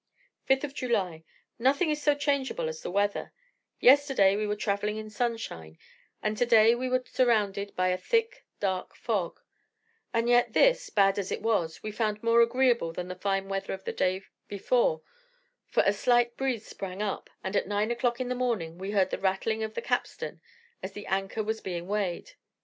5th July. Nothing is so changeable as the weather: yesterday we were revelling in sunshine, and today we were surrounded by a thick, dark fog; and yet this, bad as it was, we found more agreeable than the fine weather of the day before, for a slight breeze sprang up, and at nine o'clock in the morning, we heard the rattling of the capstan, as the anchor was being weighed.